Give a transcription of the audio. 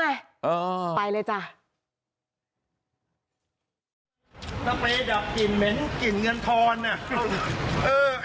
ถ้าไปดับกลิ่นเหม็นกลิ่นเงินทอนน่ะ